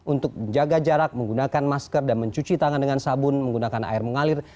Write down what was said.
untuk menjaga jarak menggunakan masker dan mencuci tangan dengan sabun menggunakan air mengalir